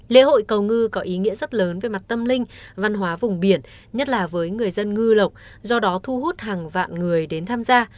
lễ hội cầu ngư có ý nghĩa rất lớn về mặt tâm linh văn hóa vùng biển nhất là với người dân ngư lộc do đó thu hút hàng vạn người đến tham gia